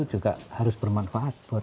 juga harus bermanfaat buat